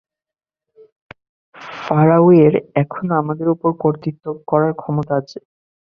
ফারাওয়ের এখনো আমাদের উপর কর্তৃত্ব করার ক্ষমতা আছে।